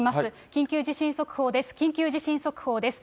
緊急地震速報です。